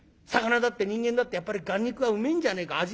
魚だって人間だってやっぱり眼肉はうめえんじゃねえか。